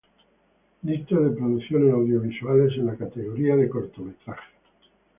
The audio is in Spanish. Lista de producciones Audiovisuales en la categoria Cortometraje.